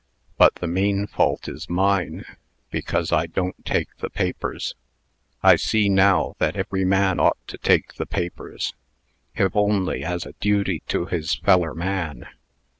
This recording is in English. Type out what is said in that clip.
But the main fault is mine, because I don't take the papers. I see, now, that every man ought to take the papers if only as a duty to his feller man."